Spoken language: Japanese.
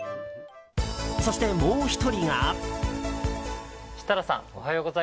そして、もう１人が。